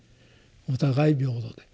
お互い平等で。